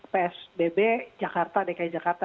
psbb jakarta dki jakarta